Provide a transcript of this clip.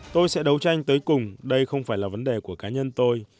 tôi sẽ đấu tranh tới cùng đây không phải là vấn đề của cá nhân tôi